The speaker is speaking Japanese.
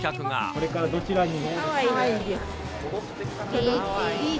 これからどちらに？